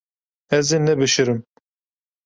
Ez ê nebişirim.